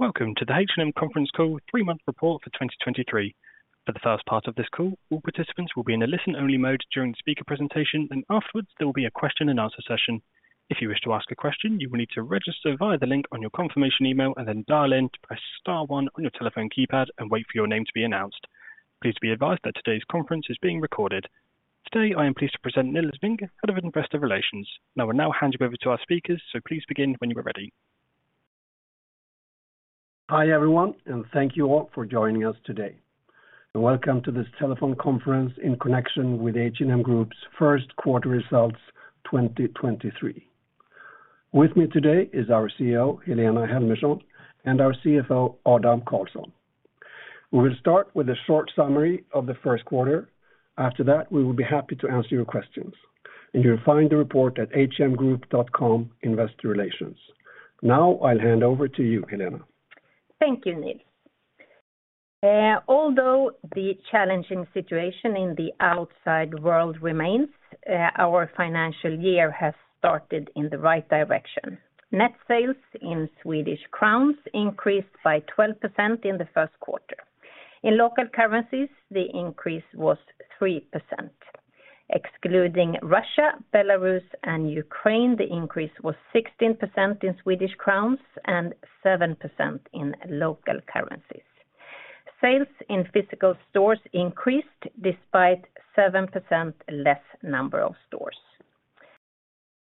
Welcome to the H&M conference call three-month report for 2023. For the first part of this call, all participants will be in a listen-only mode during the speaker presentation and afterwards there will be a question-and-answer session. If you wish to ask a question, you will need to register via the link on your confirmation email and then dial in to press star one on your telephone keypad and wait for your name to be announced. Please be advised that today's conference is being recorded. Today, I am pleased to present Nils Vinge, Head of Investor Relations. We'll now hand you over to our speakers, so please begin when you are ready. Hi, everyone, and thank you all for joining us today. Welcome to this telephone conference in connection with H&M Group's first quarter results 2023. With me today is our CEO, Helena Helmersson, and our CFO, Adam Karlsson. We will start with a short summary of the first quarter. After that, we will be happy to answer your questions. You'll find the report at hmgroup.com/investor relations. Now, I'll hand over to you, Helena. Thank you, Nils. Although the challenging situation in the outside world remains, our financial year has started in the right direction. Net sales in Swedish crowns increased by 12% in the first quarter. In local currencies, the increase was 3%. Excluding Russia, Belarus, and Ukraine, the increase was 16% in Swedish crowns and 7% in local currencies. Sales in physical stores increased despite 7% less number of stores.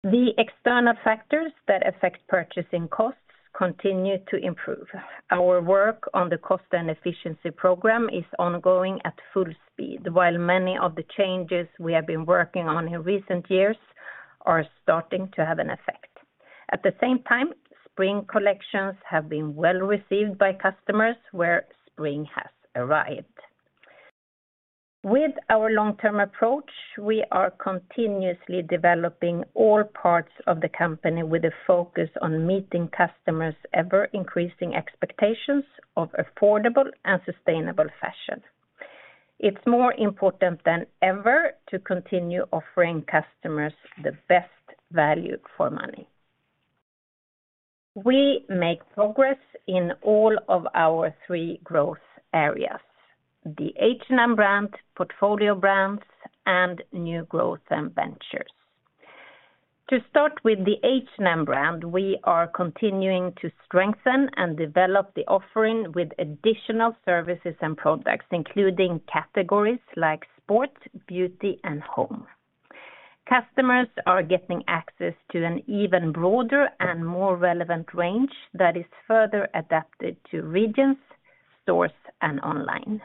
The external factors that affect purchasing costs continue to improve. Our work on the cost and efficiency program is ongoing at full speed, while many of the changes we have been working on in recent years are starting to have an effect. At the same time, spring collections have been well-received by customers where spring has arrived. With our long-term approach, we are continuously developing all parts of the company with a focus on meeting customers' ever-increasing expectations of affordable and sustainable fashion. It's more important than ever to continue offering customers the best value for money. We make progress in all of our three growth areas: the H&M brand, portfolio brands, and new growth and ventures. To start with the H&M brand, we are continuing to strengthen and develop the offering with additional services and products, including categories like sport, beauty, and home. Customers are getting access to an even broader and more relevant range that is further adapted to regions, stores, and online.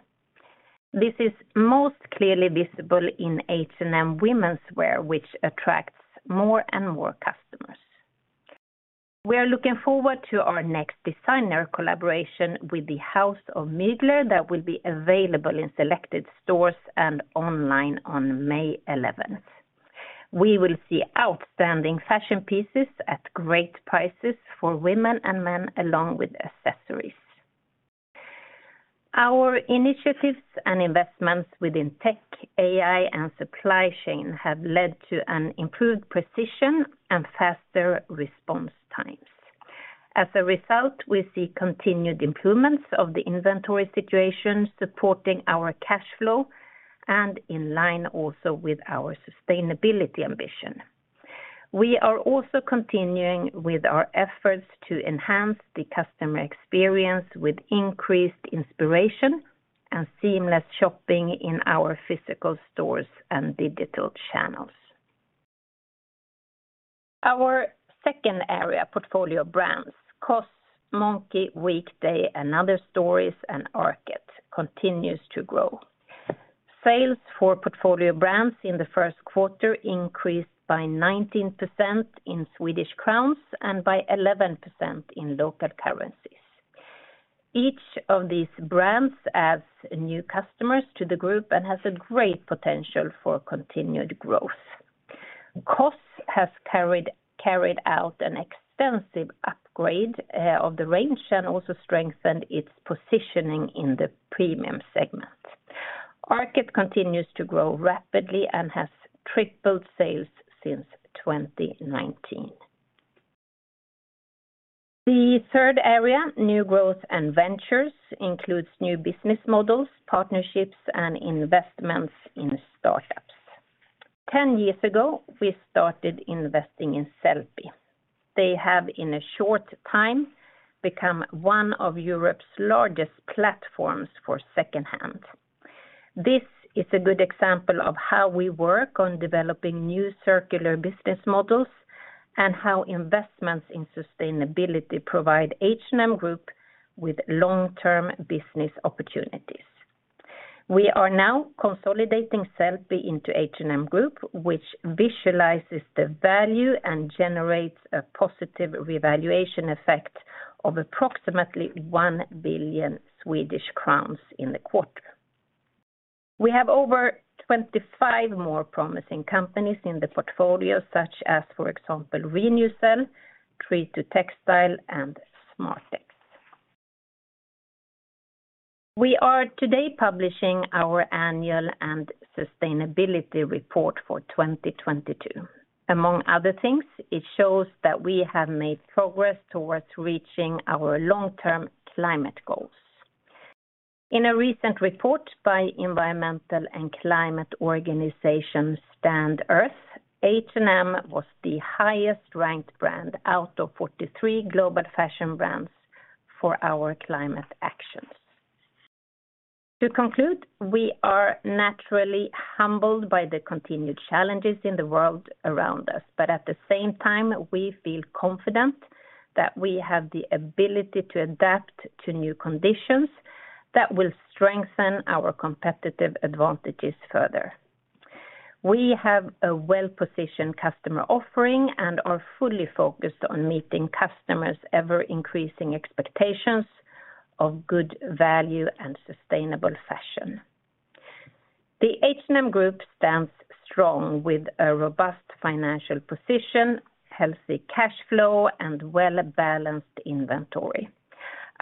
This is most clearly visible in H&M womenswear, which attracts more and more customers. We are looking forward to our next designer collaboration with the house of Mugler that will be available in selected stores and online on May 11th. We will see outstanding fashion pieces at great prices for women and men, along with accessories. Our initiatives and investments within tech, AI, and supply chain have led to an improved precision and faster response times. As a result, we see continued improvements of the inventory situation supporting our cash flow and in line also with our sustainability ambition. We are also continuing with our efforts to enhance the customer experience with increased inspiration and seamless shopping in our physical stores and digital channels. Our second area, portfolio brands, COS, Monki, Weekday, & Other Stories, and ARKET continues to grow. Sales for portfolio brands in the first quarter increased by 19% in Swedish crowns and by 11% in local currencies. Each of these brands adds new customers to the group and has a great potential for continued growth. COS has carried out an extensive upgrade of the range and also strengthened its positioning in the premium segment. ARKET continues to grow rapidly and has tripled sales since 2019. The third area, new growth and ventures, includes new business models, partnerships, and investments in startups. Ten years ago, we started investing in Sellpy. They have, in a short time, become one of Europe's largest platforms for second-hand. This is a good example of how we work on developing new circular business models and how investments in sustainability provide H&M Group with long-term business opportunities. We are now consolidating Sellpy into H&M Group, which visualizes the value and generates a positive revaluation effect of approximately 1 billion Swedish crowns in the quarter. We have over 25 more promising companies in the portfolio such as, for example, Renewcell, TreeToTextile, and SRTX. We are today publishing our annual and sustainability report for 2022. Among other things, it shows that we have made progress towards reaching our long-term climate goals. In a recent report by environmental and climate organization Stand.earth, H&M was the highest ranked brand out of 43 global fashion brands for our climate actions. To conclude, we are naturally humbled by the continued challenges in the world around us, but at the same time, we feel confident that we have the ability to adapt to new conditions that will strengthen our competitive advantages further. We have a well-positioned customer offering and are fully focused on meeting customers' ever-increasing expectations of good value and sustainable fashion. The H&M Group stands strong with a robust financial position, healthy cash flow and well balanced inventory.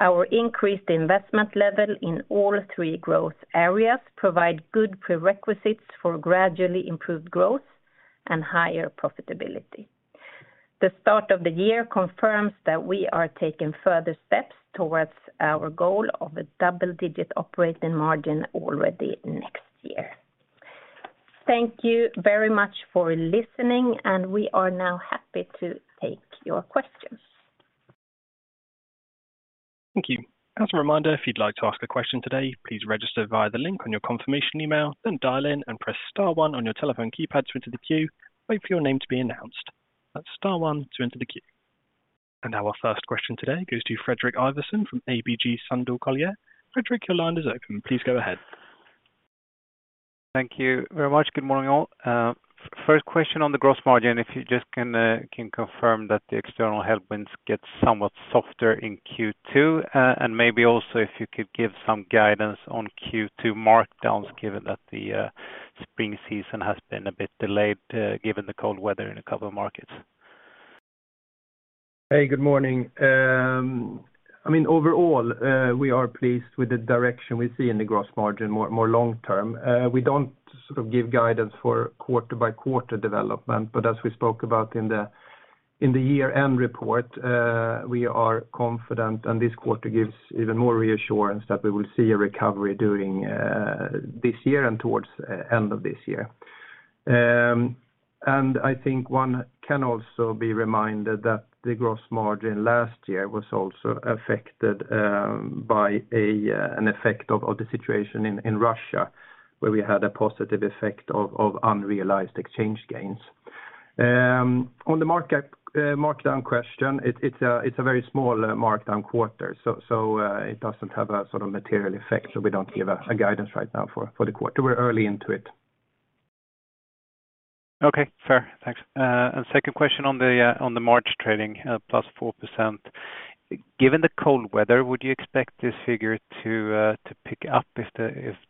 Our increased investment level in all three growth areas provide good prerequisites for gradually improved growth and higher profitability. The start of the year confirms that we are taking further steps towards our goal of a double digit operating margin already next year. Thank you very much for listening. We are now happy to take your questions. Thank you. As a reminder, if you'd like to ask a question today, please register via the link on your confirmation email, then dial in and press star one on your telephone keypad to enter the queue. Wait for your name to be announced. That's star one to enter the queue. Now our first question today goes to Fredrik Ivarsson from ABG Sundal Collier. Fredrik, your line is open. Please go ahead. Thank you very much. Good morning, all. First question on the gross margin, if you just can confirm that the external headwinds get somewhat softer in Q2, and maybe also if you could give some guidance on Q2 markdowns, given that the spring season has been a bit delayed, given the cold weather in a couple of markets? Hey, good morning. I mean, overall, we are pleased with the direction we see in the gross margin more long term. We don't sort of give guidance for quarter by quarter development, but as we spoke about in the year-end report, we are confident and this quarter gives even more reassurance that we will see a recovery during this year and towards end of this year. I think one can also be reminded that the gross margin last year was also affected by an effect of the situation in Russia where we had a positive effect of unrealized exchange gains. On the markdown question, it's a very small markdown quarter, so it doesn't have a sort of material effect, so we don't give a guidance right now for the quarter. We're early into it. Okay, fair. Thanks. Second question on the March trading, +4%. Given the cold weather, would you expect this figure to pick up if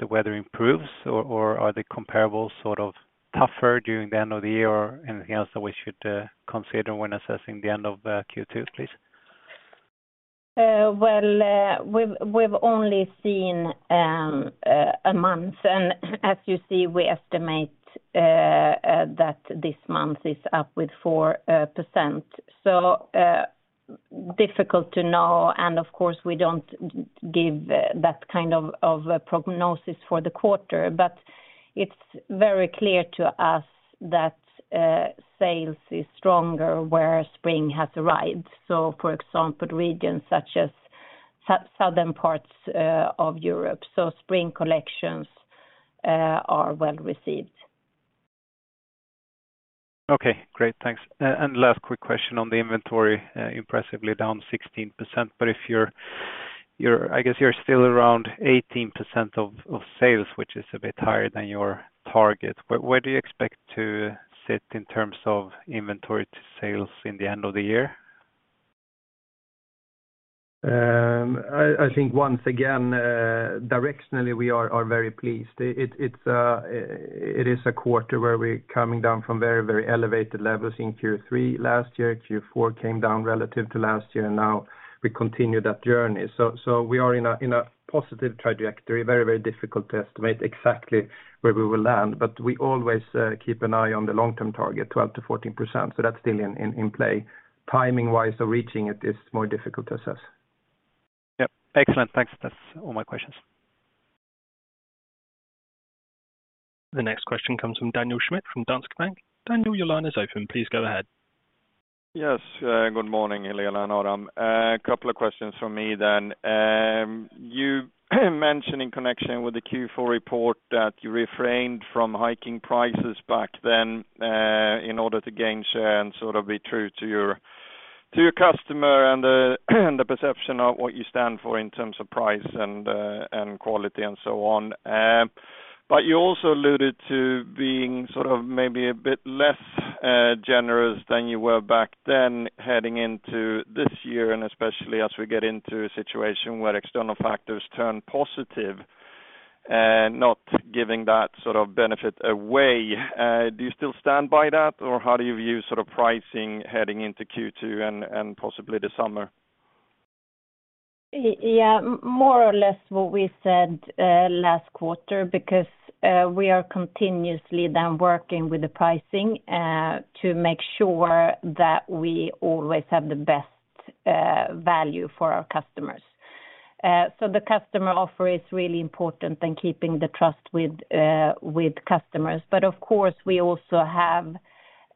the weather improves? Or are they comparable sort of tougher during the end of the year or anything else that we should consider when assessing the end of Q2, please? Well, we've only seen a month and as you see, we estimate that this month is up with 4%. Difficult to know and of course, we don't give that kind of a prognosis for the quarter, but it's very clear to us that sales is stronger where spring has arrived. For example, regions such as southern parts of Europe, spring collections are well received. Okay, great. Thanks. Last quick question on the inventory, impressively down 16%. If you're I guess you're still around 18% of sales, which is a bit higher than your target. Where do you expect to sit in terms of inventory to sales in the end of the year? I think once again, directionally we are very pleased. It's a quarter where we're coming down from very elevated levels in Q3 last year. Q4 came down relative to last year, and now we continue that journey. We are in a positive trajectory, very difficult to estimate exactly where we will land, but we always keep an eye on the long-term target, 12%-14%. That's still in play. Timing-wise, reaching it is more difficult to assess. Yep. Excellent. Thanks. That's all my questions. The next question comes from Daniel Schmidt from Danske Bank. Daniel, your line is open. Please go ahead. Yes. Good morning, Helena and Adam. A couple of questions from me then. You mentioned in connection with the Q4 report that you refrained from hiking prices back then, in order to gain share and sort of be true to your, to your customer and the perception of what you stand for in terms of price and quality and so on. You also alluded to being sort of maybe a bit less generous than you were back then heading into this year, and especially as we get into a situation where external factors turn positive. Not giving that sort of benefit away. Do you still stand by that? How do you view sort of pricing heading into Q2 and possibly the summer? Yeah, more or less what we said, last quarter, because we are continuously then working with the pricing to make sure that we always have the best value for our customers. The customer offer is really important in keeping the trust with customers. Of course, we also have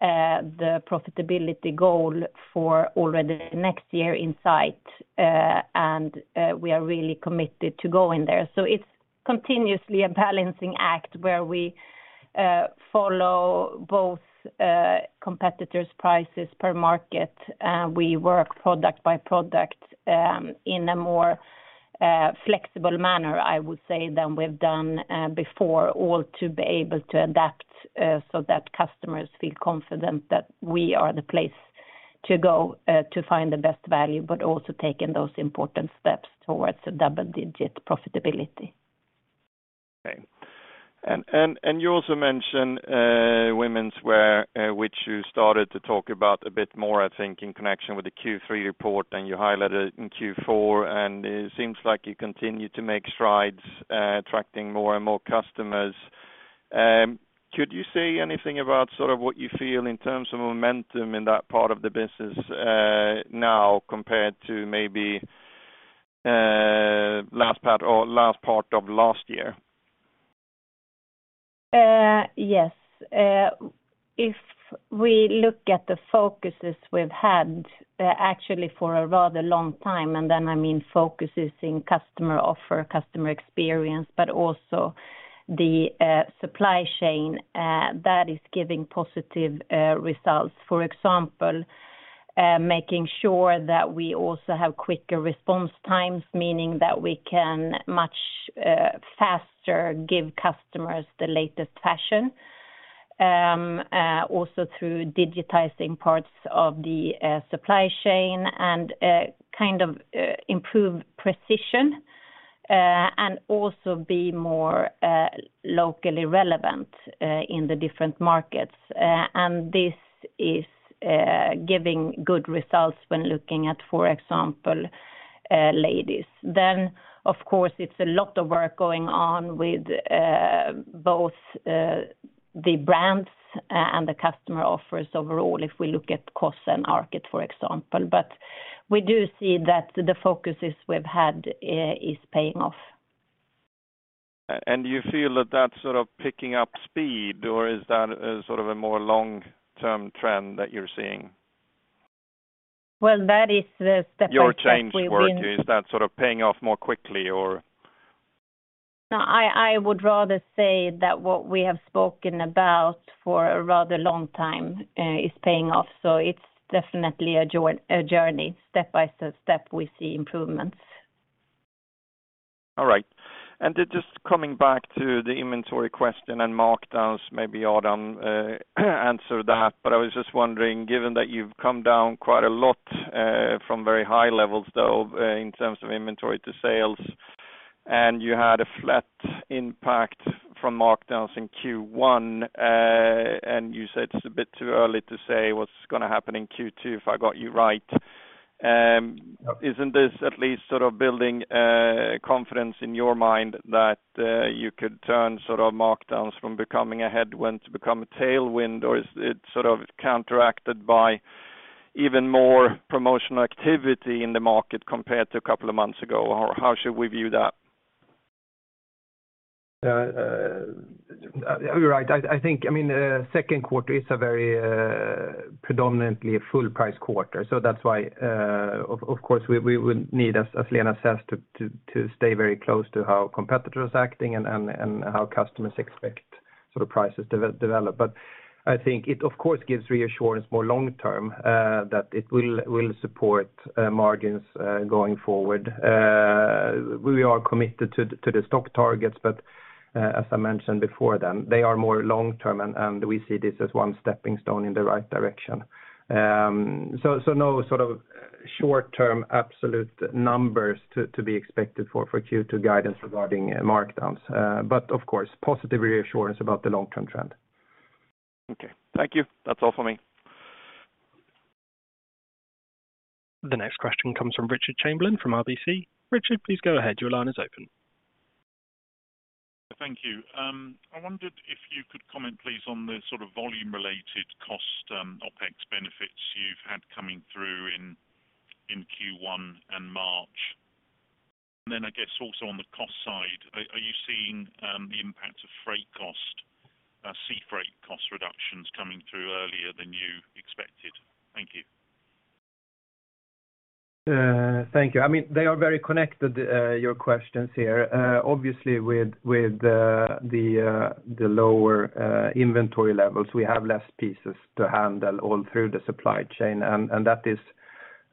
the profitability goal for already next year in sight, and we are really committed to going there. It's continuously a balancing act where we follow both competitors' prices per market. We work product by product in a more flexible manner, I would say, than we've done before, all to be able to adapt so that customers feel confident that we are the place to go to find the best value, but also taking those important steps towards double-digit profitability. Okay. You also mentioned womenswear, which you started to talk about a bit more, I think, in connection with the Q3 report, and you highlighted it in Q4, and it seems like you continue to make strides, attracting more and more customers. Could you say anything about sort of what you feel in terms of momentum in that part of the business, now compared to maybe, last part of last year? Yes. If we look at the focuses we've had, actually for a rather long time, I mean focuses in customer offer, customer experience, but also the supply chain that is giving positive results. For example, making sure that we also have quicker response times, meaning that we can much faster give customers the latest fashion, also through digitizing parts of the supply chain and kind of improve precision and also be more locally relevant in the different markets. This is giving good results when looking at, for example, ladies. Of course, it's a lot of work going on with both the brands and the customer offers overall if we look at COS and ARKET, for example. We do see that the focuses we've had, is paying off. Do you feel that that's sort of picking up speed, or is that, sort of a more long-term trend that you're seeing? Well, that is the step that. Your change work, is that sort of paying off more quickly or? I would rather say that what we have spoken about for a rather long time is paying off. It's definitely a journey. Step by step, we see improvements. All right. Just coming back to the inventory question and markdowns, maybe Adam answered that, but I was just wondering, given that you've come down quite a lot, from very high levels though in terms of inventory to sales, and you had a flat impact from markdowns in Q1, and you said it's a bit too early to say what's gonna happen in Q2, if I got you right. Isn't this at least sort of building confidence in your mind that you could turn sort of markdowns from becoming a headwind to become a tailwind? Or is it sort of counteracted by even more promotional activity in the market compared to a couple of months ago? Or how should we view that? You're right. I think, I mean, second quarter is a very predominantly a full price quarter. That's why, of course, we would need, as Helena says, to stay very close to how competitors are acting and how customers expect sort of prices develop. I think it, of course, gives reassurance more long term, that it will support margins going forward. We are committed to the stock targets, but, as I mentioned before then, they are more long term and we see this as one stepping stone in the right direction. No sort of short-term absolute numbers to be expected for Q2 guidance regarding markdowns. Of course, positive reassurance about the long-term trend. Okay. Thank you. That's all for me. The next question comes from Richard Chamberlain from RBC. Richard, please go ahead. Your line is open. Thank you. I wondered if you could comment, please, on the sort of volume-related cost, OpEx benefits you've had coming through in Q1 and March. I guess also on the cost side, are you seeing the impact of freight cost, sea freight cost reductions coming through earlier than you expected? Thank you. Thank you. I mean, they are very connected, your questions here. Obviously, with the lower inventory levels, we have less pieces to handle all through the supply chain. That is,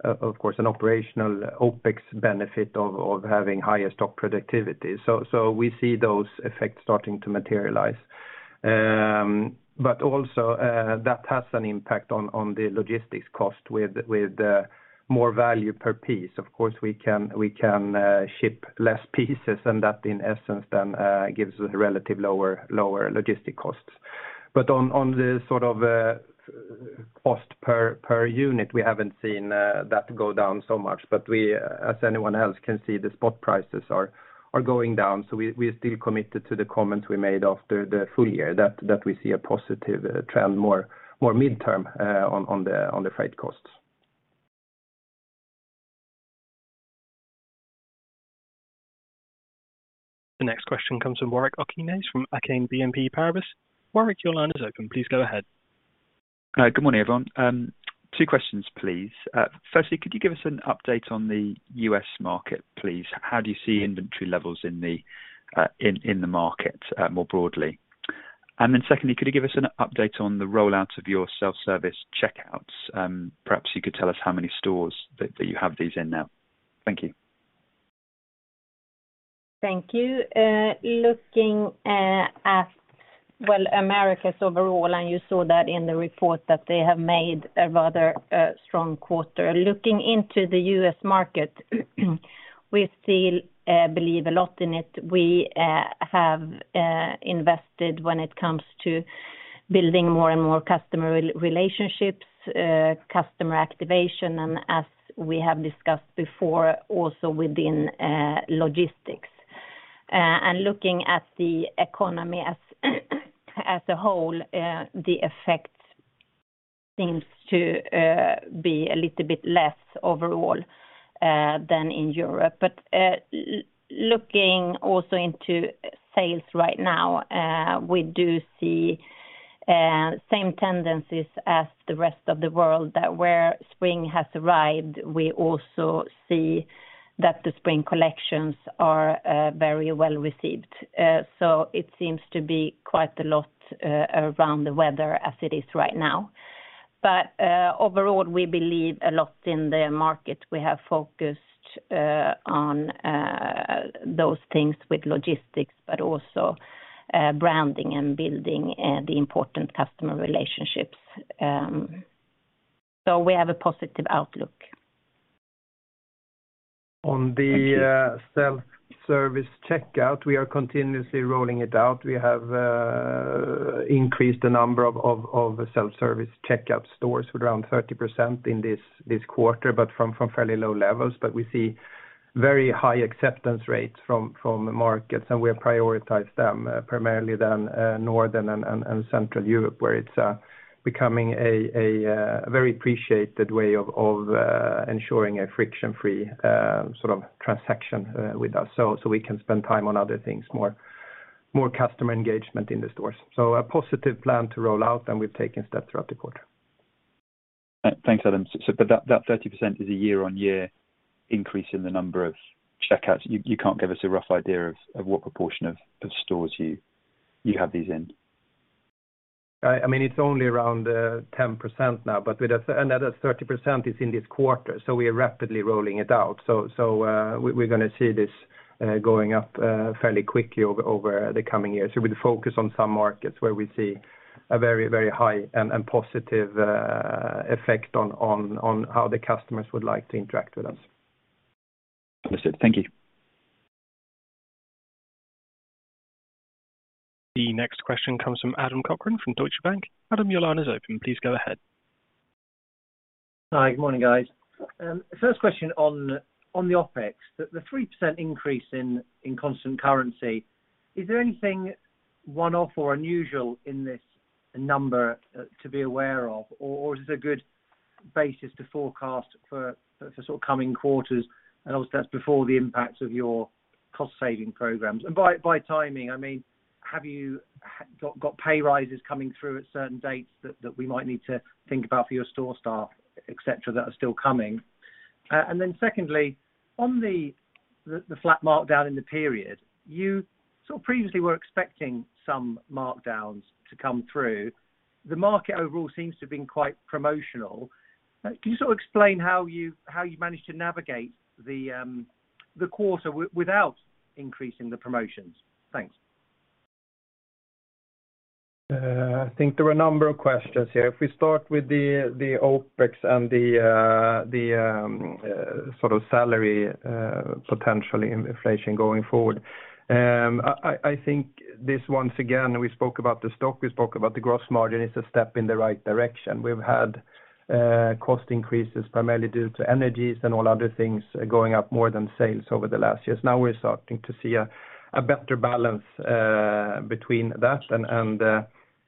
of course, an operational OpEx benefit of having higher stock productivity. We see those effects starting to materialize. Also, that has an impact on the logistics cost with more value per piece. Of course, we can ship less pieces and that in essence then gives us a relative lower logistic costs. On the sort of cost per unit, we haven't seen that go down so much, but we as anyone else can see the spot prices are going down. We are still committed to the comments we made after the full year that we see a positive trend more midterm on the freight costs. The next question comes from Warwick Okines from Exane BNP Paribas. Warwick, your line is open. Please go ahead. Good morning, everyone. Two questions, please. Firstly, could you give us an update on the U.S. market, please? How do you see inventory levels in the market more broadly? Secondly, could you give us an update on the rollout of your self-service checkouts? Perhaps you could tell us how many stores that you have these in now. Thank you. Thank you. Looking at, well, Americas overall, you saw that in the report that they have made a rather strong quarter. Looking into the U.S. market, we still believe a lot in it. We have invested when it comes to building more and more customer re-relationships, customer activation, and as we have discussed before, also within logistics. Looking at the economy as a whole, the effect seems to be a little bit less overall than in Europe. Looking also into sales right now, we do see same tendencies as the rest of the world that where spring has arrived, we also see that the spring collections are very well-received. It seems to be quite a lot around the weather as it is right now. Overall, we believe a lot in the market. We have focused on those things with logistics, but also branding and building the important customer relationships. We have a positive outlook. Thank you. On the self-service checkout, we are continuously rolling it out. We have increased the number of self-service checkout stores with around 30% in this quarter, from fairly low levels. We see very high acceptance rates from markets, and we have prioritized them primarily than Northern and Central Europe, where it's becoming a very appreciated way of ensuring a friction-free sort of transaction with ourselves, so we can spend time on other things, more customer engagement in the stores. A positive plan to roll out, and we've taken steps throughout the quarter. Thanks, Adam. That 30% is a year-on-year increase in the number of checkouts. You can't give us a rough idea of what proportion of stores you have these in? I mean, it's only around 10% now, but with another 30% is in this quarter, so we are rapidly rolling it out. We're gonna see this going up fairly quickly over the coming years. We'll focus on some markets where we see a very high and positive effect on how the customers would like to interact with us. Understood. Thank you. The next question comes from Adam Cochrane from Deutsche Bank. Adam, your line is open. Please go ahead. Hi. Good morning, guys. First question on the OpEx. The 3% increase in constant currency, is there anything one-off or unusual in this number to be aware of, or is this a good basis to forecast for sort of coming quarters? Obviously, that's before the impact of your cost saving programs. By timing, I mean, have you got pay rises coming through at certain dates that we might need to think about for your store staff, et cetera, that are still coming? Secondly, on the flat markdown in the period, you sort of previously were expecting some markdowns to come through. The market overall seems to have been quite promotional. Can you sort of explain how you managed to navigate the quarter without increasing the promotions? Thanks. I think there are a number of questions here. If we start with the OpEx and the sort of salary, potentially inflation going forward. I think this, once again, we spoke about the stock, we spoke about the gross margin, is a step in the right direction. We've had cost increases primarily due to energies and all other things going up more than sales over the last years. Now we're starting to see a better balance, between that and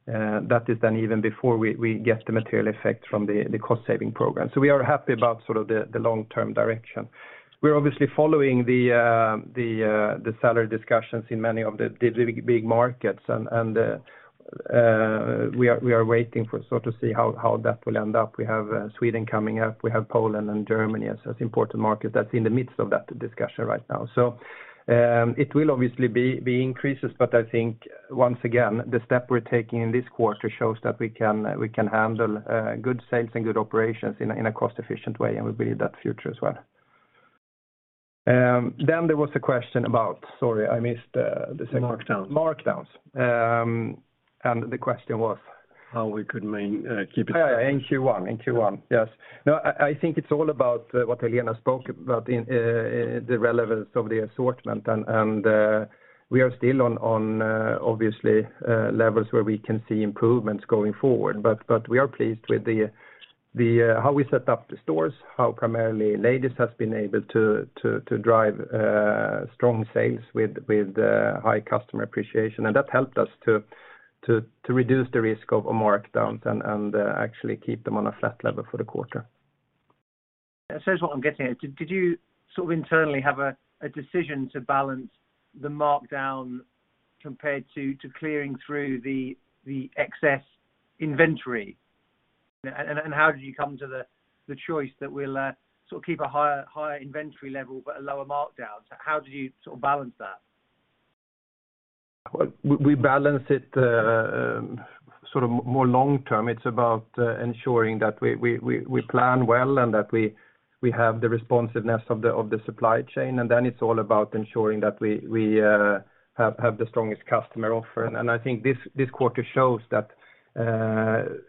that is then even before we get the material effect from the cost saving program. We are happy about sort of the long-term direction. We're obviously following the salary discussions in many of the big markets and we are waiting for sort of see how that will end up. We have Sweden coming up. We have Poland and Germany as important markets that's in the midst of that discussion right now. It will obviously be increases, but I think once again, the step we're taking in this quarter shows that we can handle good sales and good operations in a cost efficient way, and we believe that future as well. There was a question about... Sorry, I missed the second- Markdowns. Markdowns. The question was? How we could keep it. Yeah, in Q1. In Q1. Yes. No, I think it's all about what Helena spoke about in the relevance of the assortment. We are still on obviously levels where we can see improvements going forward. We are pleased with the how we set up the stores, how primarily ladies has been able to drive strong sales with high customer appreciation. That helped us to reduce the risk of a markdown and actually keep them on a flat level for the quarter. Here's what I'm getting at. Did you sort of internally have a decision to balance the markdown compared to clearing through the excess inventory? How did you come to the choice that we'll sort of keep a higher inventory level but a lower markdown? How did you sort of balance that? Well, we balance it, sort of more long-term. It's about ensuring that we plan well and that we have the responsiveness of the supply chain, then it's all about ensuring that we have the strongest customer offer. I think this quarter shows that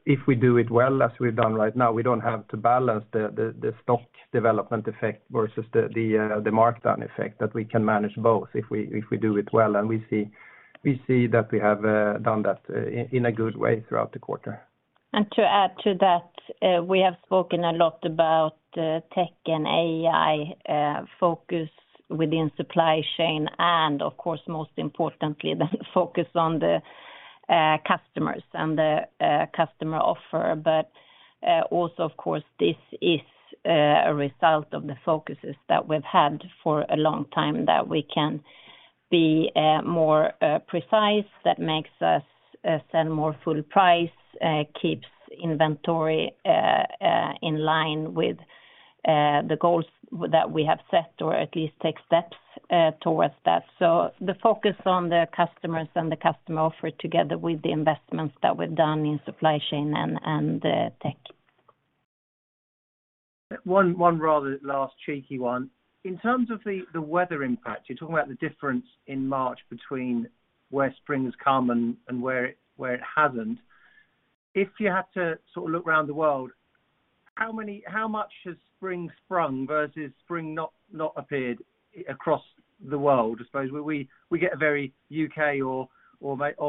if we do it well, as we've done right now, we don't have to balance the stock development effect versus the markdown effect, that we can manage both if we do it well. We see that we have done that in a good way throughout the quarter. To add to that, we have spoken a lot about tech and AI focus within supply chain and of course, most importantly, the focus on the customers and the customer offer. Also of course, this is a result of the focuses that we've had for a long time that we can be more precise. That makes us sell more full price, keeps inventory in line with the goals that we have set or at least take steps towards that. The focus on the customers and the customer offer together with the investments that we've done in supply chain and tech. One rather last cheeky one. In terms of the weather impact, you're talking about the difference in March between where spring's come and where it hasn't. If you had to sort of look around the world, how much has spring sprung versus spring not appeared across the world, I suppose? We get a very U.K. or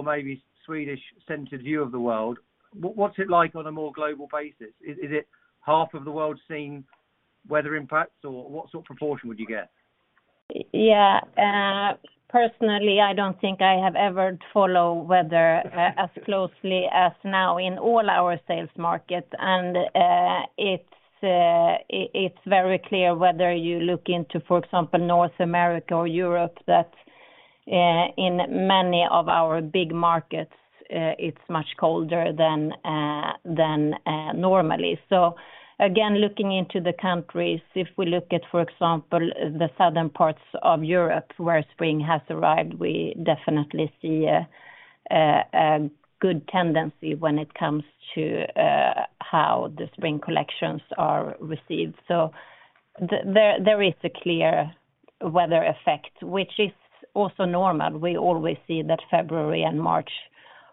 maybe Swedish-centered view of the world. What's it like on a more global basis? Is it half of the world seeing weather impacts, or what sort of proportion would you get? Yeah. Personally, I don't think I have ever follow weather as closely as now in all our sales markets. It's very clear whether you look into, for example, North America or Europe, that in many of our big markets, it's much colder than normally. Again, looking into the countries, if we look at, for example, the southern parts of Europe where spring has arrived, we definitely see a good tendency when it comes to how the spring collections are received. There is a clear weather effect, which is also normal. We always see that February and March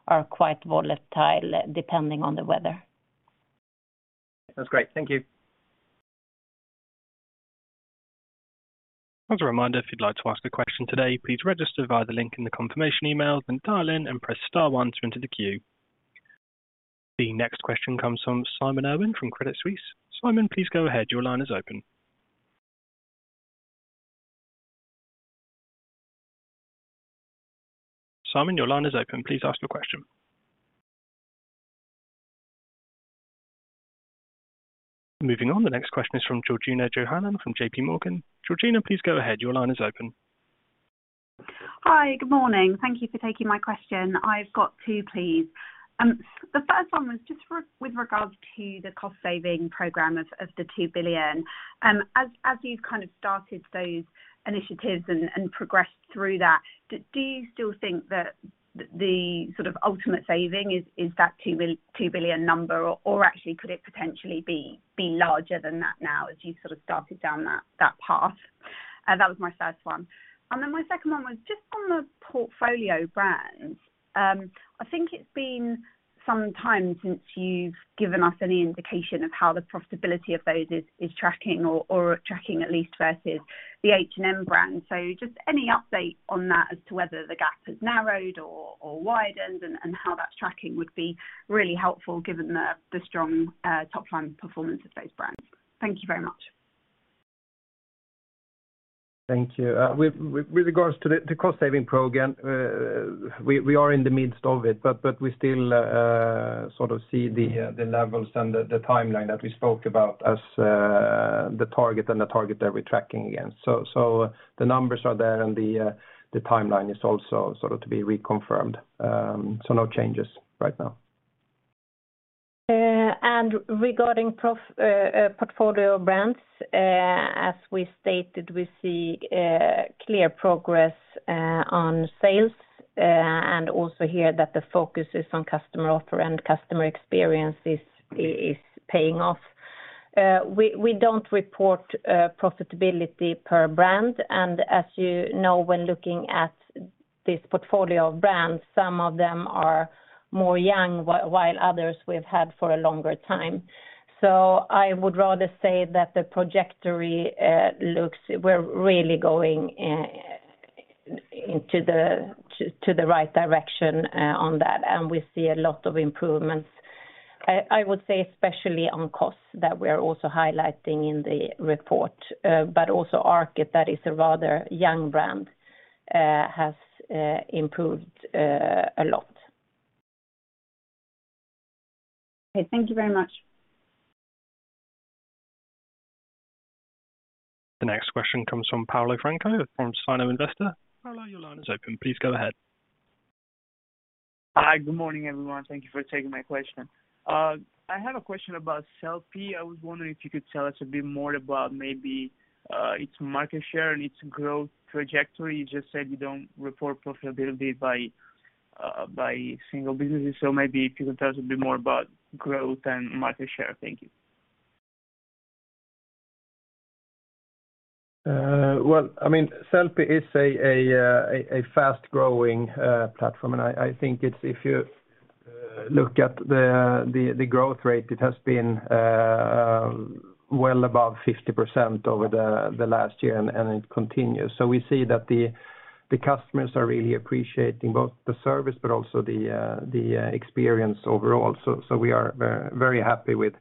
are quite volatile depending on the weather. That's great. Thank you. As a reminder, if you'd like to ask a question today, please register via the link in the confirmation email, then dial in and press star one to enter the queue. The next question comes from Simon Irwin from Credit Suisse. Simon, please go ahead. Your line is open. Please ask your question. Moving on. The next question is from Georgina Johanan from JPMorgan. Georgina, please go ahead. Your line is open. Hi. Good morning. Thank Thank you for taking my question. I've got two, please. The first one was just with regards to the cost saving program of the 2 billion. As you've kind of started those initiatives and progressed through that, do you still think that the sort of ultimate saving is that 2 billion number or actually could it potentially be larger than that now as you sort of started down that path? That was my first one. My second one was just on the portfolio brands. I think it's been some time since you've given us any indication of how the profitability of those is tracking or tracking at least versus the H&M brand. Just any update on that as to whether the gap has narrowed or widened and how that's tracking would be really helpful given the strong top line performance of those brands. Thank you very much. Thank you. With regards to the cost saving program, we are in the midst of it, but we still sort of see the levels and the timeline that we spoke about as the target and the target that we're tracking against. The numbers are there and the timeline is also sort of to be reconfirmed. No changes right now. Regarding portfolio brands, as we stated, we see clear progress on sales, and also hear that the focus is on customer offer and customer experience is paying off. We don't report profitability per brand. As you know, when looking at this portfolio of brands, some of them are more young, while others we've had for a longer time. I would rather say that the trajectory looks we're really going into the right direction on that. We see a lot of improvements. I would say especially on costs that we are also highlighting in the report, but also ARKET, that is a rather young brand, has improved a lot. Okay, thank you very much. The next question comes from [Paolo Franco] from [Sino Investor]. [Paolo], your line is open. Please go ahead. Hi, good morning, everyone. Thank you for taking my question. I have a question about Sellpy. I was wondering if you could tell us a bit more about maybe its market share and its growth trajectory. You just said you don't report profitability by single businesses. Maybe if you could tell us a bit more about growth and market share. Thank you. Well, I mean, Sellpy is a fast-growing platform, and I think it's, if you look at the growth rate, it has been well above 50% over the last year, and it continues. We see that the customers are really appreciating both the service but also the experience overall. We are very happy with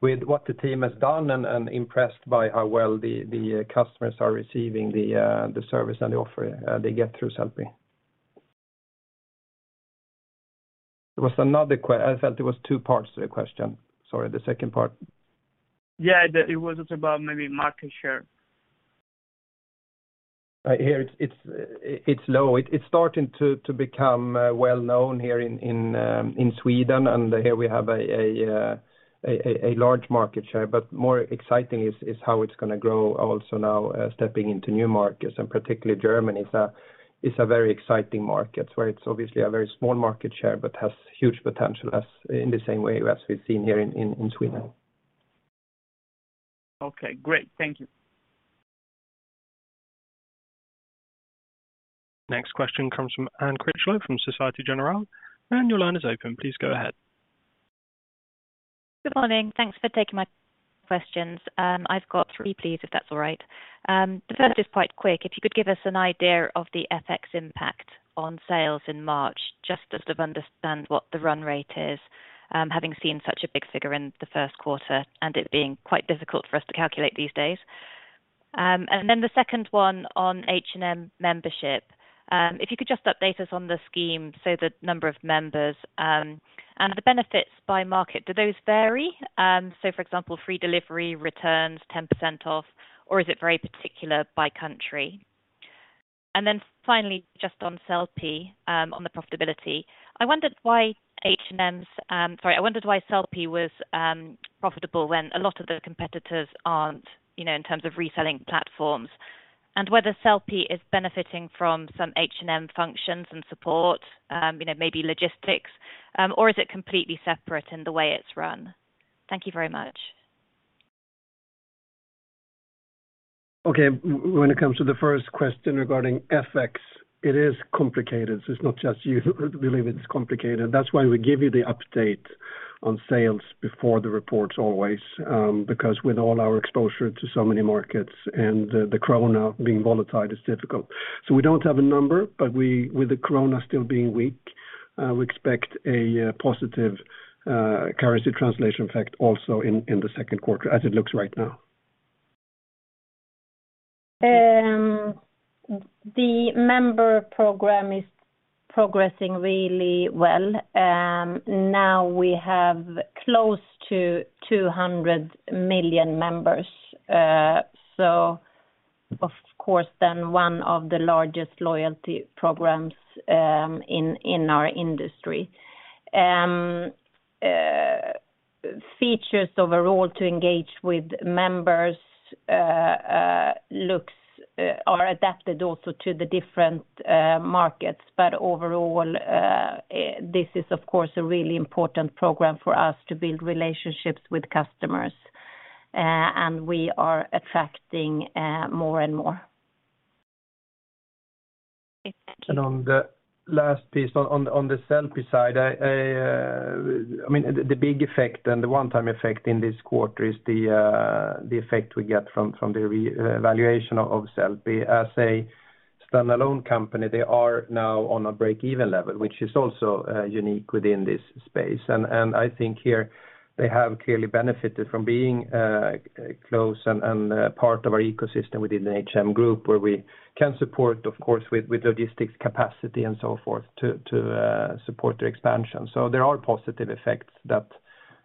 what the team has done and impressed by how well the customers are receiving the service and the offer they get through Sellpy. There was another I felt there was two parts to the question. Sorry, the second part. Yeah. It was just about maybe market share. I hear it's low. It's starting to become well-known here in Sweden. Here we have a large market share. More exciting is how it's gonna grow also now, stepping into new markets, and particularly Germany is a very exciting market where it's obviously a very small market share but has huge potential as in the same way as we've seen here in Sweden. Okay, great. Thank you. Next question comes from Anne Critchlow from Societe Generale. Anne, your line is open. Please go ahead. Good morning. Thanks for taking my questions. I've got three, please, if that's all right. The first is quite quick. If you could give us an idea of the FX impact on sales in March, just to sort of understand what the run rate is, having seen such a big figure in the first quarter and it being quite difficult for us to calculate these days. The second one on H&M membership, if you could just update us on the scheme, so the number of members, and the benefits by market, do those vary? For example, free delivery, returns, 10% off, or is it very particular by country? Finally, just on Sellpy, on the profitability. I wondered why H&M's, sorry, I wondered why Sellpy was profitable when a lot of the competitors aren't, you know, in terms of reselling platforms, whether Sellpy is benefiting from some H&M functions and support, you know, maybe logistics, or is it completely separate in the way it's run? Thank you very much. Okay. When it comes to the first question regarding FX, it is complicated. It's not just you believe it's complicated. That's why we give you the update on sales before the reports always, because with all our exposure to so many markets and the krona being volatile is difficult. We don't have a number, but we, with the krona still being weak, we expect a positive currency translation effect also in the second quarter as it looks right now. The member program is progressing really well. Now we have close to 200 million members. Of course, one of the largest loyalty programs in our industry. Features overall to engage with members, looks are adapted also to the different markets. Overall, this is, of course, a really important program for us to build relationships with customers. We are attracting more and more. Great. Thank you. On the last piece on the Sellpy side, I mean, the big effect and the one-time effect in this quarter is the effect we get from the revaluation of Sellpy. As a standalone company, they are now on a break-even level, which is also unique within this space. I think here they have clearly benefited from being close and part of our ecosystem within the H&M Group, where we can support, of course, with logistics capacity and so forth to support their expansion. There are positive effects that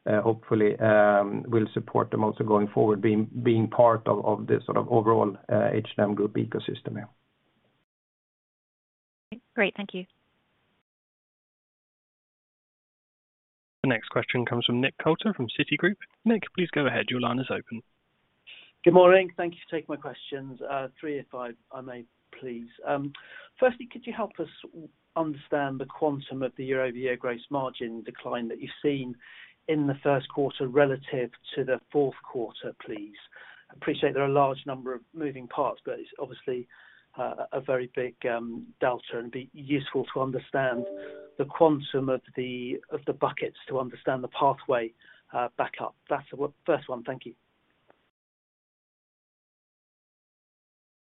hopefully will support them also going forward being part of the sort of overall H&M Group ecosystem. Great. Thank you. The next question comes from Nick Coulter from Citigroup. Nick, please go ahead. Your line is open. Good morning. Thank you for taking my questions. Three if I may, please? Firstly, could you help us understand the quantum of the year-over-year gross margin decline that you've seen in the first quarter relative to the fourth quarter, please? Appreciate there are a large number of moving parts, it's obviously a very big delta, and it'd be useful to understand the quantum of the buckets to understand the pathway back up. That's the first one. Thank you.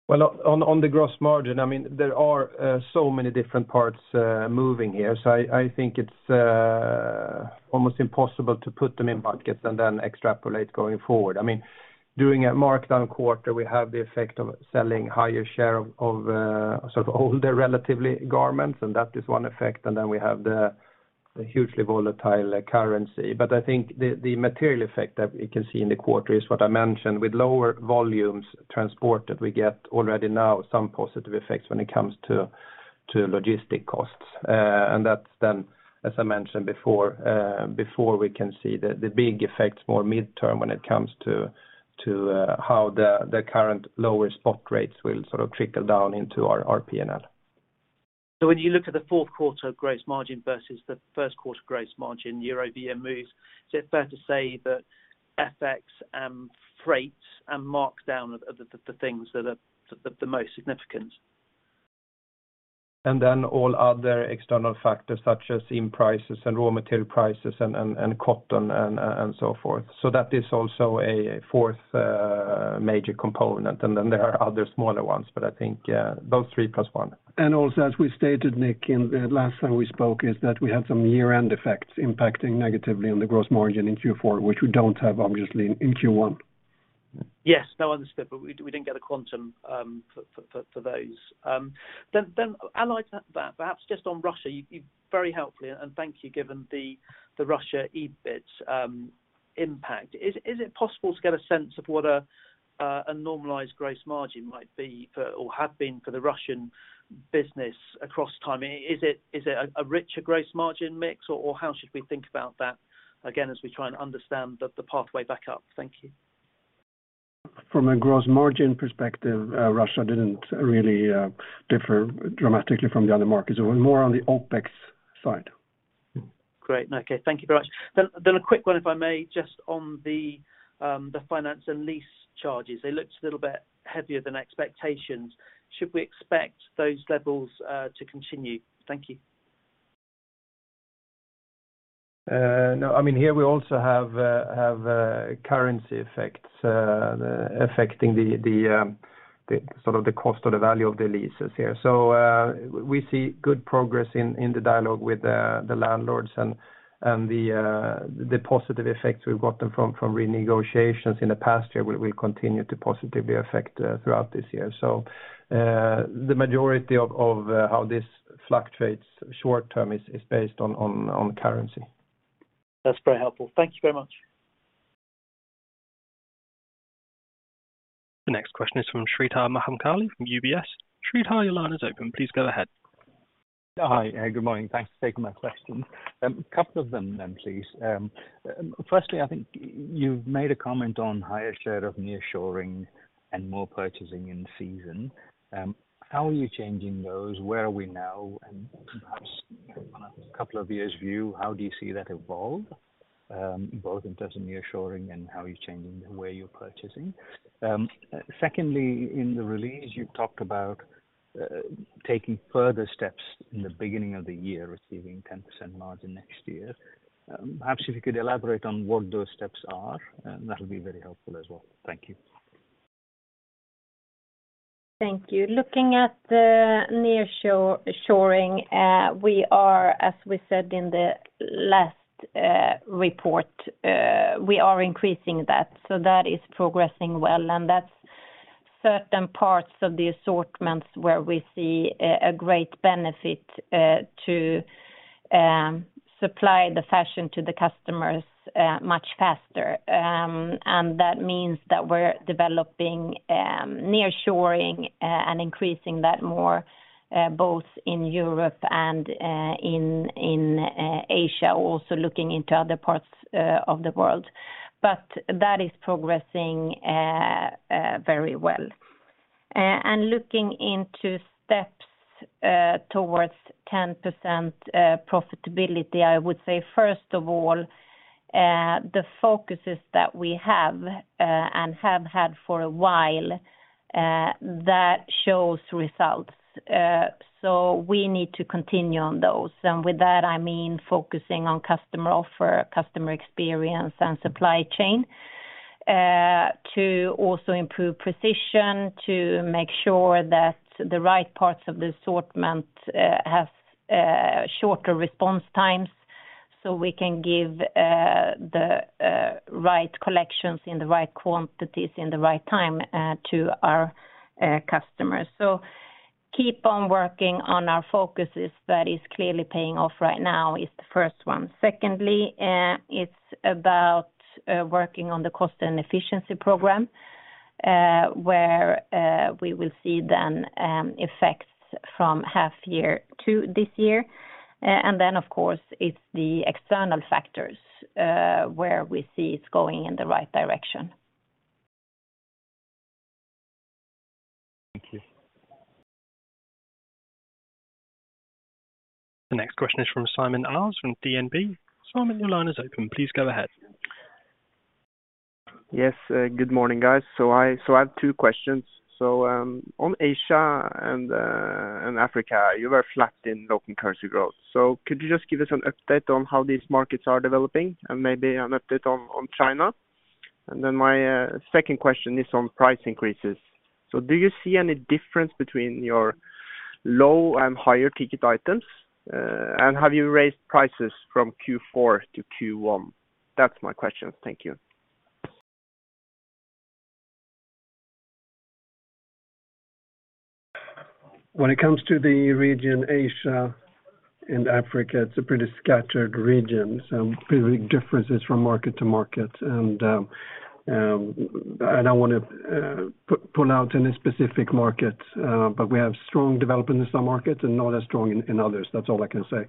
Well, on the gross margin, I mean, there are so many different parts moving here. I think it's almost impossible to put them in buckets and then extrapolate going forward. I mean, during a markdown quarter, we have the effect of selling higher share of sort of older relatively garments, and that is one effect, and then we have the hugely volatile currency. I think the material effect that we can see in the quarter is what I mentioned. With lower volumes transported, we get already now some positive effects when it comes to logistic costs. That's then, as I mentioned before we can see the big effects more midterm when it comes to how the current lower spot rates will sort of trickle down into our P&L. When you look at the fourth quarter gross margin versus the first quarter gross margin year-over-year moves, is it fair to say that FX and freight and markdown are the things that are the most significant? All other external factors such as in prices and raw material prices and cotton and so forth. That is also a fourth major component. There are other smaller ones, but I think those three plus one. Also, as we stated, Nick, in the last time we spoke, is that we had some year-end effects impacting negatively on the gross margin in Q4, which we don't have obviously in Q1. Yes. No, understood, but we didn't get a quantum for those. Allied to that, perhaps just on Russia, you very helpfully, and thank you, given the Russia EBIT impact. Is it possible to get a sense of what a normalized gross margin might be for or have been for the Russian business across time? Is it a richer gross margin mix, or how should we think about that, again, as we try and understand the pathway back up? Thank you. From a gross margin perspective, Russia didn't really differ dramatically from the other markets. It was more on the OpEx side. Great. Okay. Thank you very much. A quick one, if I may, just on the finance and lease charges. They looked a little bit heavier than expectations. Should we expect those levels to continue? Thank you. No. I mean, here we also have currency effects affecting the sort of the cost or the value of the leases here. We see good progress in the dialogue with the landlords and the positive effects we've gotten from renegotiations in the past year will continue to positively affect throughout this year. The majority of how this fluctuates short-term is based on currency. That's very helpful. Thank you very much. The next question is from Sreedhar Mahamkali from UBS. Sreedhar, your line is open. Please go ahead. Hi. Good morning. Thanks for taking my question. A couple of them then, please. Firstly, I think you've made a comment on higher share of nearshoring and more purchasing in season. How are you changing those? Where are we now? Perhaps on a couple of years view, how do you see that evolve, both in terms of nearshoring and how you're changing the way you're purchasing? Secondly, in the release, you talked about taking further steps in the beginning of the year, receiving 10% margin next year. Perhaps if you could elaborate on what those steps are, that'll be very helpful as well. Thank you. Thank you. Looking at the nearshore- shoring, we are, as we said in the last report, we are increasing that. That is progressing well, and that's certain parts of the assortments where we see a great benefit to supply the fashion to the customers much faster. That means that we're developing nearshoring and increasing that more, both in Europe and in Asia, also looking into other parts of the world. That is progressing very well. Looking into steps towards 10% profitability, I would say, first of all, the focuses that we have and have had for a while, that shows results. We need to continue on those. With that, I mean, focusing on customer offer, customer experience, and supply chain, to also improve precision, to make sure that the right parts of the assortment has shorter response times, so we can give the right collections in the right quantities in the right time to our customers. Keep on working on our focuses that is clearly paying off right now is the first one. Secondly, it's about working on the cost and efficiency program, where we will see then effects from half year two this year. Of course, it's the external factors, where we see it's going in the right direction. Thank you. The next question is from Simon Aas from DNB. Simon, your line is open. Please go ahead. Yes, good morning, guys. I have two questions. On Asia and Africa, you were flat in local currency growth. Could you just give us an update on how these markets are developing and maybe an update on China? Then my second question is on price increases. Do you see any difference between your low and higher ticket items? Have you raised prices from Q4 to Q1? That's my question. Thank you. When it comes to the region, Asia and Africa, it's a pretty scattered region, some pretty big differences from market to market. I don't wanna put out any specific market, but we have strong development in some markets and not as strong in others. That's all I can say.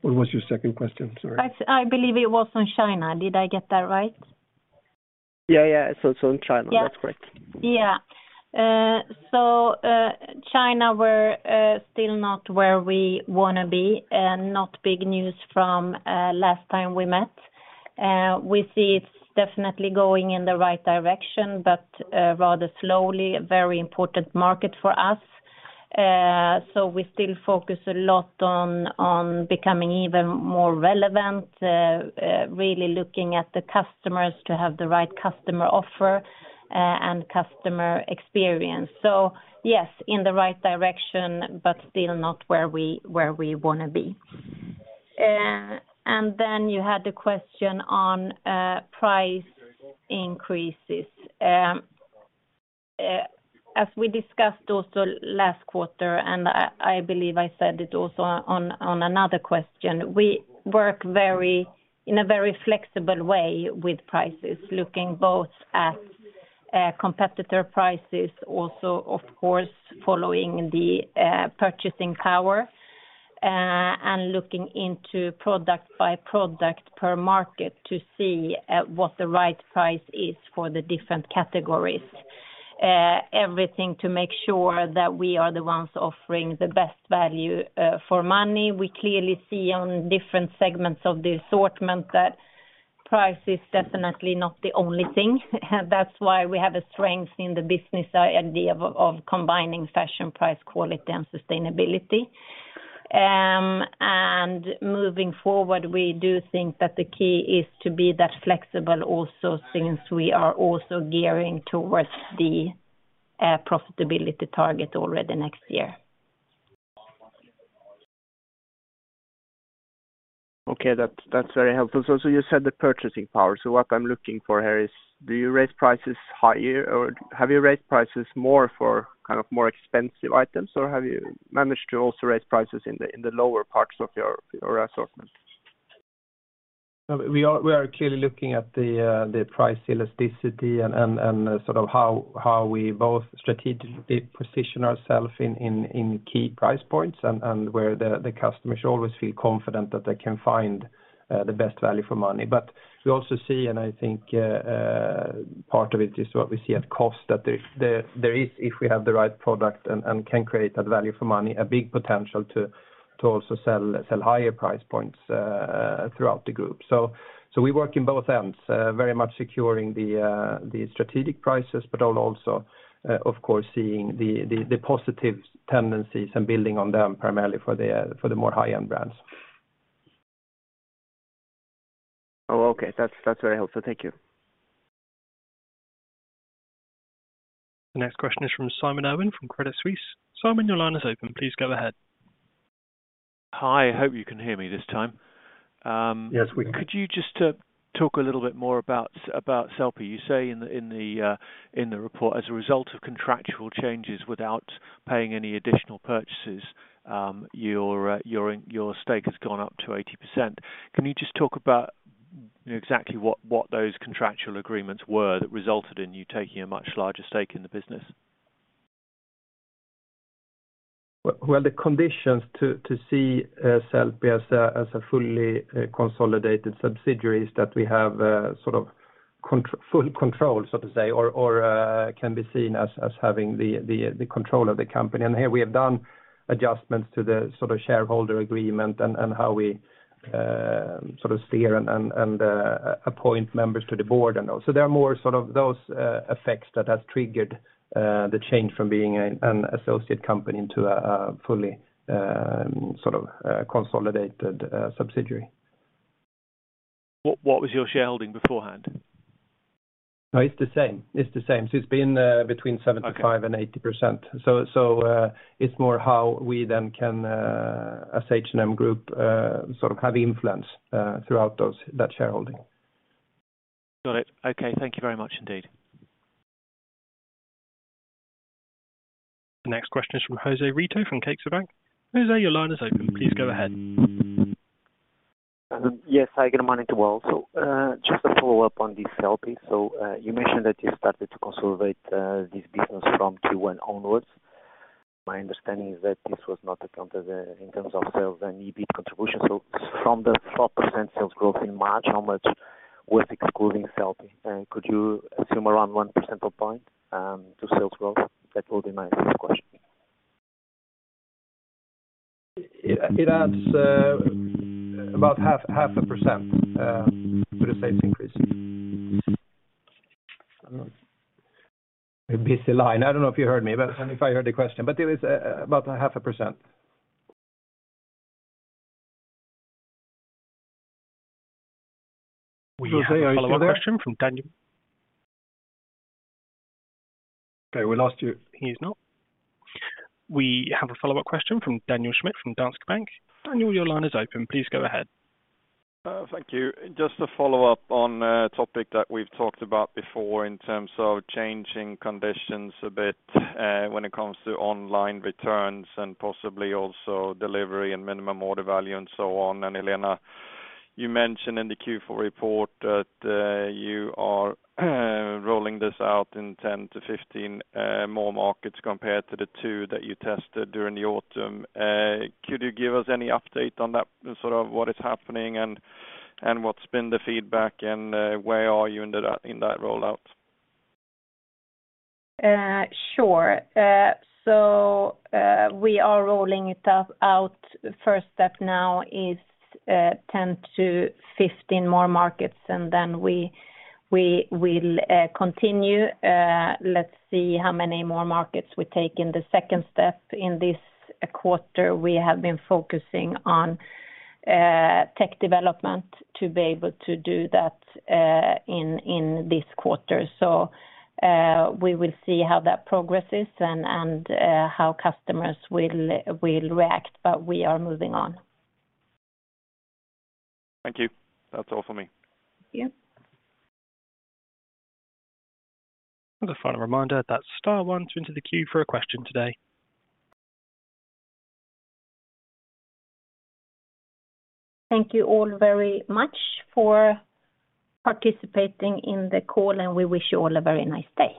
What was your second question? Sorry. I believe it was on China. Did I get that right? Yeah, yeah. On China. Yeah. That's correct. China, we're still not where we wanna be. Not big news from last time we met. We see it's definitely going in the right direction, but rather slowly, a very important market for us. We still focus a lot on becoming even more relevant, really looking at the customers to have the right customer offer and customer experience. Yes, in the right direction, but still not where we wanna be. You had the question on price increases. As we discussed also last quarter, and I believe I said it also on another question, we work very, in a very flexible way with prices, looking both at competitor prices, also of course following the purchasing power, and looking into product by product per market to see what the right price is for the different categories. Everything to make sure that we are the ones offering the best value for money. We clearly see on different segments of the assortment that price is definitely not the only thing. That's why we have a strength in the business idea of combining fashion, price, quality, and sustainability. Moving forward, we do think that the key is to be that flexible also since we are also gearing towards the profitability target already next year. Okay. That's very helpful. You said the purchasing power. What I'm looking for here is, do you raise prices higher or have you raised prices more for kind of more expensive items, or have you managed to also raise prices in the, in the lower parts of your assortment? We are clearly looking at the price elasticity and sort of how we both strategically position ourself in key price points and where the customers should always feel confident that they can find the best value for money. We also see, and I think part of it is what we see at COS, that there is if we have the right product and can create that value for money, a big potential to also sell higher price points throughout the group. We work in both ends, very much securing the strategic prices, but also, of course seeing the positive tendencies and building on them primarily for the more high-end brands. Oh, okay. That's very helpful. Thank you. The next question is from Simon Irwin from Credit Suisse. Simon, your line is open. Please go ahead. Hi. I hope you can hear me this time. Yes, we can. Could you just talk a little bit more about Sellpy. You say in the report as a result of contractual changes without paying any additional purchases, your stake has gone up to 80%. Can you just talk about, you know, exactly what those contractual agreements were that resulted in you taking a much larger stake in the business? Well, the conditions to see Sellpy as a fully consolidated subsidiary is that we have sort of full control, so to say, or can be seen as having the control of the company. Here we have done adjustments to the sort of shareholder agreement and how we sort of steer and appoint members to the board and all. There are more sort of those effects that have triggered the change from being an associate company into a fully sort of consolidated subsidiary. What was your shareholding beforehand? No, it's the same. It's the same. It's been between 75% and 80%. It's more how we then can as H&M Group sort of have influence throughout that shareholding. Got it. Okay. Thank you very much indeed. The next question is from José Rito from CaixaBank. José, your line is open. Please go ahead. Yes, I get a minute. Just a follow-up on this Sellpy. You mentioned that you started to consolidate this business from Q1 onwards. My understanding is that this was not accounted in terms of sales and EBIT contribution. From the 4% sales growth in March, how much was excluding Sellpy? Could you assume around 1 percentage point to sales growth? That will be my first question. It adds, about half a percent, to the sales increase. A busy line. I don't know if you heard me, but if I heard the question, but it was about half a percent. We have a follow-up question from Daniel. Okay, we lost you. He is not. We have a follow-up question from Daniel Schmidt from Danske Bank. Daniel, your line is open. Please go ahead. Thank you. Just to follow-up on a topic that we've talked about before in terms of changing conditions a bit, when it comes to online returns and possibly also delivery and minimum order value and so on. Helena, you mentioned in the Q4 report that you are rolling this out in 10-15 more markets compared to the two that you tested during the autumn. Could you give us any update on that, sort of what is happening and what's been the feedback and where are you in that rollout? Sure we are rolling it out. First step now is 10-15 more markets, and then we will continue. Let's see how many more markets we take in the second step. In this quarter, we have been focusing on tech development to be able to do that in this quarter. We will see how that progresses and how customers will react, but we are moving on Thank you. That's all for me. Yep. A final reminder that star one to enter the queue for a question today. Thank you all very much for participating in the call, and we wish you all a very nice day.